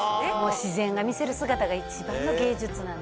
自然が見せる姿が一番の芸術なの。